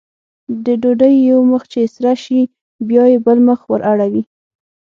د ډوډۍ یو مخ چې سره شي بیا یې بل مخ ور اړوي.